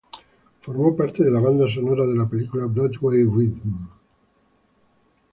Formó parte de la banda sonora de la película "Broadway Rhythm".